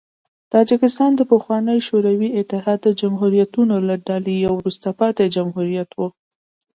تاجکستان د پخواني شوروي اتحاد د جمهوریتونو له ډلې یو وروسته پاتې جمهوریت و.